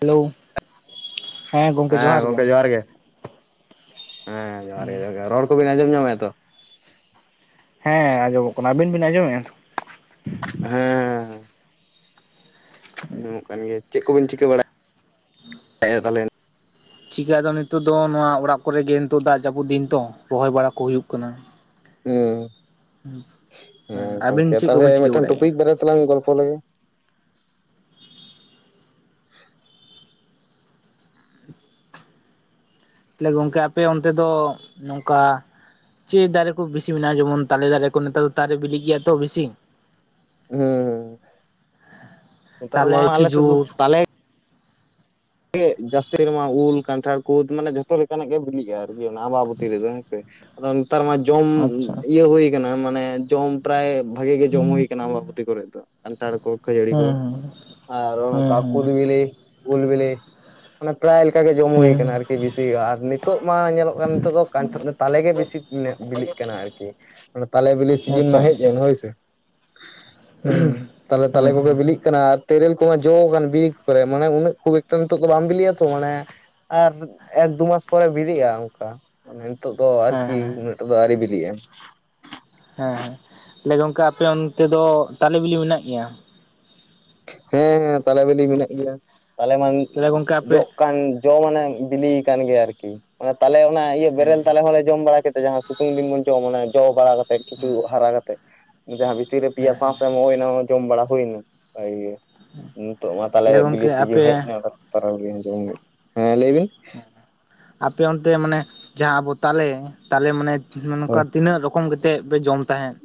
Hello ᱦᱮᱸ ᱜᱚᱝᱠᱮ ᱡᱚᱦᱟᱨ, ᱜᱮ ᱦᱮᱸ ᱡᱚᱦᱟᱨ ᱜᱮ, ᱨᱚᱲ ᱠᱚᱵᱤᱱ ᱟᱸᱡᱚᱢ ᱧᱟᱢ ᱮᱟᱛᱚ? ᱦᱮᱸ ᱟᱸᱡᱚᱢᱚᱜ ᱠᱟᱱᱟ, ᱟᱹᱵᱤᱱ ᱵᱤᱱ ᱟᱸᱡᱚᱢᱮᱜᱼᱟ [inaudible] ᱦᱮᱸᱻ ᱟᱡᱚᱢᱚᱠ ᱠᱟᱱ ᱜᱮᱭᱟ ᱪᱮᱫ ᱠᱚᱵᱤᱱ ᱪᱤᱠᱟᱹ ᱵᱟᱲᱟᱭ [unintelligible] ᱪᱤᱠᱟᱹᱫᱚ ᱱᱤᱛᱚᱜ ᱫᱚ, ᱱᱚᱣᱟ ᱚᱲᱟᱜ ᱠᱚᱨᱮᱜ ᱜᱮ, ᱱᱤᱛᱚᱜ ᱫᱟᱜ ᱡᱟᱹᱯᱩᱫ ᱫᱤᱱ ᱛᱚ ᱨᱚᱦᱚᱭ ᱵᱟᱲᱟ ᱠᱚ ᱦᱩᱭᱩᱜ ᱠᱟᱱᱟ᱾ ᱦᱚᱸ ᱦᱮᱸ ᱜᱚᱝᱠᱮ ᱟᱵᱤᱱ ᱪᱮᱫ ᱛᱟᱦᱚᱞᱮ ᱠᱚᱵᱤᱱ ᱪᱤᱠᱟᱹ ᱢᱤᱫᱴᱟᱝ ᱵᱟᱲᱟᱭᱮᱫᱼᱟ? ᱴᱚᱯᱤᱠ ᱵᱟᱨᱮ ᱛᱮᱞᱟᱝ ᱜᱚᱞᱯᱦᱚ ᱞᱮᱜᱮ, [inaudible] [inaudible] ᱞᱮ ᱜᱚᱝᱠᱮ ᱟᱯᱮ ᱚᱱᱛᱮ ᱫᱚ ᱱᱚᱝᱠᱟ ᱪᱮᱫ ᱫᱟᱨᱮ ᱠᱚ ᱵᱮᱥᱤ ᱢᱮᱱᱟᱜᱼᱟ? ᱡᱮᱢᱚᱱ ᱛᱟᱞᱮ ᱫᱟᱨᱮ ᱠᱚ ᱱᱮᱛᱟᱨ ᱫᱚ ᱛᱟᱨᱮ ᱵᱤᱞᱤ ᱜᱮᱭᱟ ᱛᱚ ᱵᱮᱥᱤ ᱦᱩᱸᱻ ᱦᱚᱸ ᱱᱮᱛᱟᱨ ᱢᱟ ᱛᱟᱦᱚᱞᱮ ᱟᱞᱮ ᱥᱮᱫ ᱫᱚ ᱠᱷᱤᱡᱩᱨ ᱛᱟᱞᱮ [inaudible] ᱡᱟᱹᱥᱛᱤ ᱨᱮᱢᱟ ᱩᱞ, ᱠᱟᱱᱴᱷᱟᱲ, ᱠᱩᱫ, ᱢᱟᱱᱮ ᱡᱷᱚᱛᱚ ᱞᱮᱠᱟᱱᱟᱜ ᱜᱮ ᱵᱤᱞᱤᱜᱼᱟ ᱟᱨ [inaudible] ᱟᱢᱵᱟᱵᱚᱛᱤ ᱨᱮᱫᱚ ᱦᱮᱸᱥᱮ ᱟᱫᱚ ᱱᱮᱛᱟᱨ ᱢᱟ ᱡᱚᱢ ᱟᱪᱪᱷᱟ ᱟᱪᱪᱷᱟ ᱤᱭᱟᱹ ᱦᱩᱭ ᱠᱟᱱᱟ ᱢᱟᱱᱮ ᱡᱚᱢ ᱴᱨᱟᱭ ᱵᱷᱟᱜᱤ ᱜᱮ ᱡᱚᱢ ᱦᱩᱭ ᱟᱠᱟᱱᱟ ᱟᱢᱵᱟᱛᱤ ᱠᱚᱨᱮ ᱫᱚ, ᱠᱚᱱᱴᱷᱟᱲ ᱠᱚ ᱠᱷᱟᱹᱡᱟᱹᱲᱤ, ᱠᱚ ᱦᱮᱸ ᱟᱨ ᱚᱱᱟ ᱦᱮᱸ ᱠᱟ ᱦᱮᱸ ᱠᱩᱫ ᱵᱤᱞᱤ, ᱩᱞ ᱵᱤᱞᱤ, [inaudible] ᱴᱟᱨᱟᱭ ᱞᱮᱠᱟ ᱜᱮ ᱡᱚᱢ ᱦᱩᱭ ᱦᱮᱸ ᱠᱟᱱᱟ ᱟᱨᱠᱤ ᱵᱤᱥᱤᱼᱟ ᱟᱨ ᱱᱤᱛᱚᱜ ᱢᱟ ᱧᱮᱞᱚᱜ ᱠᱟᱱ ᱱᱤᱛᱚᱜ ᱫᱚ ᱠᱟᱱ ᱛᱟᱞᱮ ᱜᱮ ᱵᱤᱥᱤ ᱱᱮᱜᱽ ᱵᱤᱞᱤᱜ ᱠᱟᱱᱟ, ᱟᱨᱠᱤ ᱛᱟᱞᱮ ᱵᱤᱞᱤ ᱦᱮᱸ ᱥᱤᱡᱤᱱ ᱟᱪᱪᱷᱟ ᱢᱟ ᱦᱮᱡ ᱟᱪᱪᱷᱟ ᱮᱱ ᱦᱳᱭᱥᱮ ᱦᱮᱸ [inaudible] ᱛᱟᱞᱦᱮ ᱦᱮᱸ ᱛᱟᱞᱮ ᱦᱮᱸ ᱠᱚᱜᱮ ᱵᱤᱞᱤᱜ ᱠᱟᱱᱟ᱾ ᱟᱨ ᱛᱮᱨᱤᱞ ᱠᱚᱢᱟ ᱡᱚ ᱠᱟᱱ ᱵᱤᱨ ᱠᱚᱨᱮ, ᱢᱟᱱᱮ ᱩᱱᱟᱹᱜ ᱠᱚᱜᱮ ᱛᱚ ᱱᱤᱛᱚᱜ ᱫᱚ ᱵᱟᱢ ᱵᱤᱞᱤᱜᱼᱟ ᱛᱚ, ᱢᱟᱱᱮ ᱟᱨ ᱮᱠ ᱫᱩ ᱢᱟᱥ ᱯᱚᱨᱮ ᱵᱮᱤᱜᱼᱟ᱾ ᱚᱱᱠᱟ ᱢᱟᱱᱮ ᱱᱤᱛᱚᱜ ᱫᱚ ᱦᱮᱸ ᱟᱨᱠᱤ? ᱦᱮᱸ ᱩᱱᱟᱸᱜ ᱴᱟᱜᱽ ᱫᱚ ᱟᱹᱨᱤ ᱵᱤᱞᱤᱜᱼᱟ᱾ ᱦᱮᱸ ᱞᱮ ᱜᱚᱝᱠᱮ ᱟᱯᱮ ᱚᱱᱛᱮ ᱫᱚ ᱛᱟᱞᱮ ᱵᱤᱞᱤ ᱢᱮᱱᱟᱜ ᱜᱮᱭᱟ? ᱦᱮᱸ ᱦᱮᱸ ᱛᱟᱞᱮ ᱵᱮᱞᱤ ᱢᱮᱱᱟᱜ ᱜᱮᱭᱟ᱾ ᱛᱟᱞᱮ ᱢᱟᱝ ᱛᱟᱦᱞᱮ ᱜᱚᱝᱠᱮ ᱟᱯᱮ [inaudible] ᱡᱚ ᱢᱟᱱᱮ ᱵᱤᱞᱤᱭᱟ ᱠᱟᱱᱟᱱ ᱜᱮᱭᱟ ᱟᱨᱠᱤᱮ ᱛᱟᱞᱮ ᱚᱱᱟ ᱤᱭᱟᱹ ᱵᱮᱨᱮᱞ ᱛᱟᱞᱮ ᱦᱚᱸᱞᱮ ᱡᱚᱢ ᱵᱟᱲᱟ ᱠᱟᱛᱮ ᱡᱟᱦᱟᱸ ᱥᱤᱛᱩᱝ ᱫᱤᱱ ᱵᱚᱱ ᱡᱚᱢ ᱢᱟᱱᱮ ᱡᱚ ᱵᱟᱲᱟ ᱠᱟᱛᱮ ᱠᱤᱪᱷᱩ ᱦᱟᱨᱟ ᱠᱟᱛᱮᱫ ᱡᱟᱦᱟᱸ ᱵᱦᱤ ᱛᱤᱨᱮ ᱯᱮᱭᱟ ᱥᱟᱸᱥ ᱮᱢᱚᱜ ᱦᱩᱭ ᱚᱱᱟ ᱡᱚᱢ ᱵᱟᱲᱟ ᱦᱩᱭᱱᱟ᱾ ᱱᱤᱛᱳᱜ ᱢᱟ ᱛᱟᱦᱞᱮ ᱛᱟᱦᱚᱞᱮ ᱵᱤᱞᱤ ᱜᱚᱝᱠᱮ ᱥᱤᱡᱤᱱ ᱟᱯᱮ ᱦᱮᱡᱽ ᱮᱱᱟ [inaudible] ᱡᱚᱢ ᱦᱮᱸ ᱞᱟᱹᱭ ᱵᱤᱱ? ᱟᱯᱮ ᱚᱱᱛᱮ ᱢᱟᱱᱮ ᱡᱟᱦᱟᱸ ᱵᱚ ᱛᱟᱞᱮ ᱛᱟᱞᱮ ᱢᱟᱱᱮ ᱱᱚ ᱱᱚᱝᱠᱟ ᱦᱳᱭ ᱛᱤᱱᱟᱹᱜ ᱨᱚᱠᱚᱢ ᱠᱮᱛᱮᱜ ᱯᱮ ᱡᱚᱢ ᱛᱟᱦᱮᱸᱱ?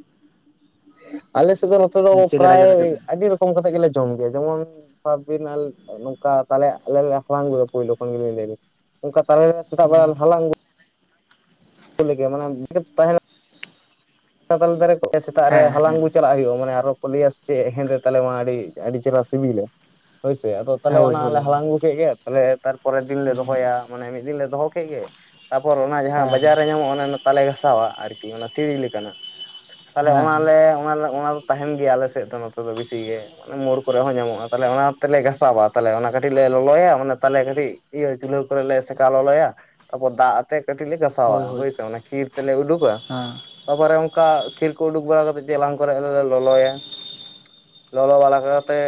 ᱟᱞᱮ ᱥᱮᱫ ᱫᱚ ᱱᱚᱛᱮ ᱫᱚ ᱪᱮᱫ ᱞᱮᱠᱟ ᱪᱮᱫ ᱞᱮᱠᱟ ᱯᱨᱟᱭ ᱠᱟᱛᱮ? ᱟᱹᱰᱤ ᱨᱚᱠᱚᱢ ᱠᱟᱛᱮ ᱜᱮᱞᱮ ᱡᱚᱢ ᱜᱮᱭᱟ᱾ ᱡᱮᱢᱚᱱ ᱟᱵᱤᱱ ᱟᱞ ᱱᱚᱝᱠᱟ ᱛᱟᱦᱮ ᱟᱞᱮ ᱞᱮ ᱦᱟᱞᱟᱲᱝ ᱟᱜᱩᱭᱟ ᱯᱳᱭᱞᱳ ᱠᱷᱚᱱ ᱜᱮᱞᱤᱧ ᱞᱟᱹᱭ ᱟᱵᱤᱱ ᱱᱚᱝᱠᱟ ᱛᱟᱞᱮ ᱥᱮᱛᱟᱜ ᱵᱮᱲᱟᱞ ᱦᱟᱞᱟᱝ [unintelligible] ᱢᱟᱱᱮ [unintelligible] ᱛᱟᱦᱮᱱᱟ [unintelligible] ᱛᱟᱞᱮ ᱫᱟᱨᱮ ᱦᱮᱸ ᱥᱮᱛᱟᱜ ᱨᱮ ᱦᱟᱞᱟᱝ ᱜᱩ ᱪᱟᱞᱟᱜ ᱦᱩᱭᱩᱜᱼᱟ ᱢᱟᱱᱮ ᱟᱨᱚ ᱠᱚ ᱞᱮᱭᱟ ᱪᱮᱫ ᱦᱮᱸᱫᱮ ᱛᱟᱦᱮ ᱢᱟ ᱟᱹᱰᱤ ᱟᱹᱰᱤ ᱪᱮᱦᱨᱟ ᱥᱤᱵᱤᱞᱟ ᱦᱳᱭᱥᱮ, ᱟᱫᱚ ᱛᱟᱦᱚᱞᱮ ᱦᱳᱭ ᱚᱱᱟ ᱦᱳᱭ ᱞᱮ ᱦᱳᱭ ᱦᱟᱞᱟᱝ ᱜᱩ ᱠᱮᱫ ᱜᱮ ᱛᱟᱦᱞᱮ ᱛᱟᱨᱯᱚᱨᱮ ᱫᱤᱱ ᱞᱮ ᱫᱚᱦᱚᱭᱟ ᱢᱟᱱᱮ ᱢᱤᱫᱽ ᱫᱤᱱ ᱞᱮ ᱫᱚᱦᱚ ᱠᱮᱫ ᱜᱮ ᱛᱟᱯᱚᱨ ᱚᱱᱟ ᱡᱟᱦᱟᱸ ᱦᱮᱸ ᱦᱮᱸ ᱵᱟᱡᱟᱨ ᱨᱮ ᱧᱟᱢᱚᱜᱼᱟ ᱚᱱᱟ ᱛᱟᱞᱮ ᱜᱷᱟᱥᱟᱣᱟ ᱟᱨᱠᱤ ᱚᱱᱟ ᱥᱤᱲᱤ ᱞᱮᱠᱟᱱᱟᱜ ᱛᱟᱞᱮ ᱦᱮᱸ ᱚᱱᱟᱞᱮ ᱚᱱᱟ ᱚᱱᱟ ᱛᱟᱦᱮᱱ ᱜᱮᱭᱟ ᱟᱞᱮᱥᱮᱫ ᱫᱚ ᱱᱚᱛᱮ ᱫᱚ ᱵᱤᱥᱤ ᱜᱮ ᱚᱱᱮ ᱢᱳᱲ ᱠᱚᱨᱮ ᱦᱚᱸ ᱧᱟᱢᱚᱜᱼᱟ ᱛᱟᱦᱚᱞᱮ ᱚᱱᱟ ᱛᱮᱞᱮ ᱜᱷᱟᱥᱟᱵᱟᱣᱟᱫ ᱛᱟᱞᱮ ᱚᱱᱟ ᱠᱟᱹᱴᱤᱡ ᱞᱮ ᱞᱚᱞᱚᱭᱟ ᱢᱟᱱᱮ ᱛᱟᱞᱮ ᱠᱟᱹᱴᱤᱡ ᱤᱭᱟᱹ ᱪᱩᱞᱦᱟᱹ ᱠᱚᱨᱮᱞ ᱞᱮ ᱥᱮᱠᱟᱣ ᱞᱚᱞᱚᱭᱟ ᱛᱟᱯᱚᱨ ᱫᱟᱺᱜ ᱛᱮ ᱠᱟᱹᱴᱤᱡ ᱞᱮ ᱦᱳᱭ ᱜᱟᱥᱟᱣᱟ ᱦᱳᱭ ᱦᱳᱭᱥᱮ ᱚᱱᱟ ᱠᱷᱤᱨ ᱛᱮᱞᱮ ᱩᱰᱩᱠ-ᱟ ᱦᱮᱸ ᱛᱯᱚᱨᱮ ᱝ ᱚᱱᱠᱟ ᱠᱷᱤᱨ ᱠᱚ ᱩᱰᱩᱠ ᱵᱟᱲᱟ ᱠᱟᱛᱮᱫ ᱪᱮᱞᱟᱝ ᱠᱚᱨᱮ ᱞᱮ ᱞᱚᱞᱚᱭᱟ ᱞᱚᱞᱚ ᱵᱟᱞᱟ ᱠᱟᱛᱮ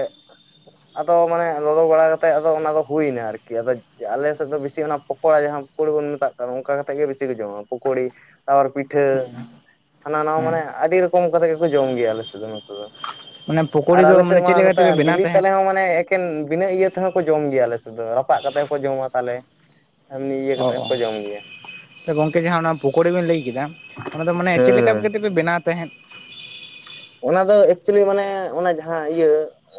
ᱟᱫᱚ ᱢᱟᱱᱮ ᱞᱚᱞᱚ ᱵᱟᱲᱟ ᱠᱟᱛᱮᱜ ᱟᱫᱚ ᱚᱱᱟ ᱫᱚ ᱦᱩᱭᱱᱟ ᱟᱨᱠᱤ ᱟᱫᱚ ᱮ ᱟᱞᱮ ᱥᱮᱫ ᱫᱚ ᱵᱤᱥᱤ ᱚᱱᱟ ᱯᱚᱠᱚᱲᱟ ᱡᱟᱦᱟᱸ ᱯᱚᱠᱚᱲᱤ ᱵᱚᱱ ᱢᱮᱛᱟᱜ ᱠᱟᱱ ᱚᱱᱠᱟ ᱠᱟᱛᱮᱫ ᱜᱮ ᱵᱤᱥᱤ ᱠᱚ ᱡᱚᱢᱟ ᱯᱚᱠᱚᱲᱤ? ᱟᱨ ᱯᱤᱴᱷᱟᱹ ᱦᱟᱱᱟ ᱱᱟᱣᱟ ᱦᱮᱸ ᱢᱟᱱᱮ ᱟᱹᱰᱤ ᱨᱚᱠᱚᱢ ᱠᱟᱛ ᱜᱮᱠᱚ ᱡᱚᱢ ᱜᱮᱭᱟ ᱟᱞᱮ ᱥᱮᱫ ᱫᱚ ᱱᱚᱛᱮ ᱫᱚ ᱢᱟᱱᱮ ᱟᱨ ᱯᱚᱠᱳᱲᱤ ᱫᱚ ᱟᱞᱮ ᱥᱮᱫ ᱢᱟᱱᱮ ᱢᱟ ᱪᱮᱫ ᱞᱮᱠᱟ ᱱᱚᱛᱮ ᱛᱮᱯᱮ ᱵᱮᱱᱟᱣ ᱵᱤᱞᱤ ᱛᱟᱦᱮᱸᱫ? ᱛᱟᱞᱮ ᱦᱚᱸ ᱢᱟᱱᱮ ᱮᱠᱮᱱ ᱵᱤᱱᱟᱹ ᱤᱭᱟᱹ ᱛᱮᱦᱚᱸ ᱠᱚ ᱡᱚᱢ ᱜᱮᱭᱟ ᱟᱞᱮ ᱥᱫ ᱫᱚ ᱨᱟᱯᱟᱜ ᱠᱟᱛᱮᱫ ᱦᱚᱸ ᱠᱚ ᱡᱚᱢᱟ ᱛᱟᱞᱮ ᱮᱢᱱᱤ ᱤᱭᱟᱹ ᱠᱟᱛᱮᱫ ᱦᱚᱸᱠᱚ ᱡᱚᱢ ᱜᱮᱭᱟ ᱛᱚ ᱜᱚᱝᱠᱮ ᱡᱟᱦᱟᱸ ᱯᱚᱠᱳᱲᱤ ᱵᱮᱱ ᱞᱟᱹᱭ ᱠᱮᱫᱟ ᱚᱱᱟ ᱫᱚ ᱢᱟᱱᱮ ᱦᱮᱸ ᱪᱮᱫ ᱞᱮᱠᱟ ᱦᱮᱸ ᱠᱟᱛᱮᱫ ᱯᱮ ᱵᱮᱱᱟᱣ ᱛᱟᱦᱮᱸᱫ ᱚᱱᱟ ᱫᱚ ᱮᱠᱪᱩᱭᱮᱞᱤ ᱢᱟᱱᱮ ᱚᱱᱟ ᱡᱟᱦᱟᱸ ᱤᱭᱟᱹ